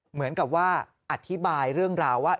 เหมือนกับว่าอธิบายเรื่องราวว่า